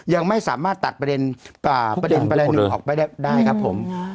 ยังไม่สามารถตัดประเด็นประเด็นหนึ่งออกไปได้ครับผม